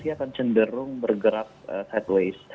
akan cenderung bergerak sideways